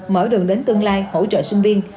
mở đường đến tương lai hỗ trợ sinh viên